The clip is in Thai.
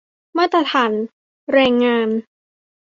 มาตรฐานแรงงาน